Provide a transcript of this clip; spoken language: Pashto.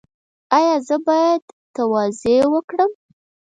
ایا زه باید تواضع وکړم؟